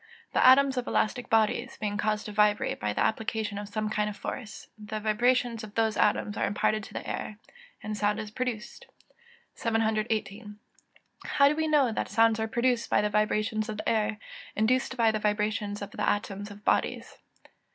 _ The atoms of elastic bodies being caused to vibrate by the application of some kind of force, the vibrations of those atoms are imparted to the air, and sound is produced. 718. _How do we know that sounds are produced by the vibrations of the air, induced by the vibrations of the atoms of bodies?